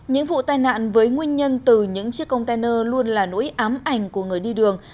những vụ tai nạn với nguyên nhân từ những chiếc container luôn là nỗi ám ảnh của người đi đường